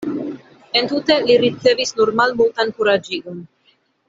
Entute li ricevis nur malmultan kuraĝigon.